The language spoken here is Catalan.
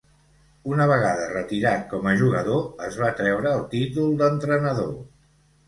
Una vegada retirat com a jugador es va treure el títol d'entrenador.